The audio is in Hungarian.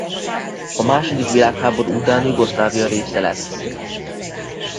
A második világháború után Jugoszlávia része lett.